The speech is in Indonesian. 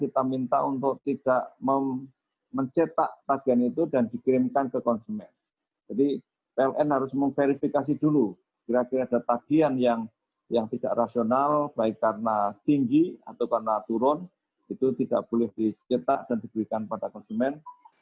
baik karena tinggi atau karena turun itu tidak boleh dicetak dan diberikan pada konsumen